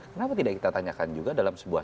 kenapa tidak kita tanyakan juga dalam sebuah